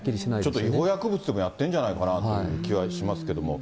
ちょっと違法薬物でもやってるんじゃないかなという気はしますけども。